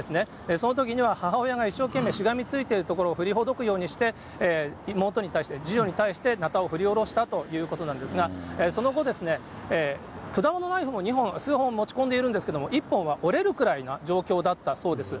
そのときには母親が一生懸命しがみついているところを振りほどくようにして妹に対して、次女に対して、なたを振り下ろしたということなんですが、その後、果物ナイフも２本、数本持ち込んでいるんですけれども、１本は折れるくらいな状況だったそうです。